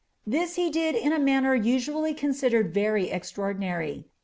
This he did in a manner usually eonsidered very extraordinary.